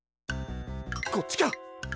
こっちか！